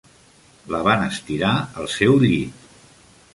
La van estirar al seu llit.